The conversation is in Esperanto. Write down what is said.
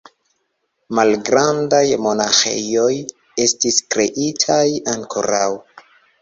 Malgrandaj monaĥejoj estis kreitaj ankoraŭ.